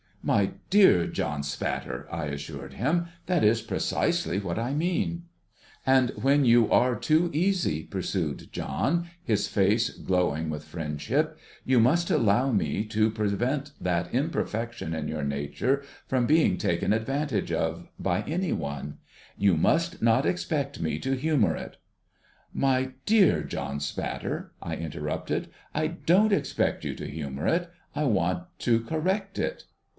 ' My dear John Spatter,' I assured him, ' that is precisely what I mean.' ' And when you are too easy,' jjursucd John, his face glowing with friendship, ' you must allow me to prevent that imperfection in your nature from being taken advantage of, by any one ; you must not expect me to humour it '' My dear John Spatter,' I intcrrujjled, ' I doiit expect you to humour it. I want to correct it.'